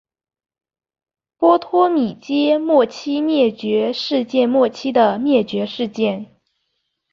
波托米阶末期灭绝事件末期的灭绝事件。